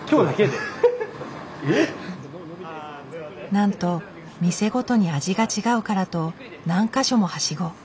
なんと店ごとに味が違うからと何か所もはしご。